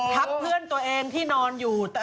เพื่อนตัวเองที่นอนอยู่